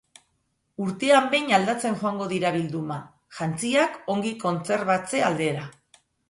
Urtean behin aldatzen joango dira bilduma, jantziak ongi kontserbatze aldera.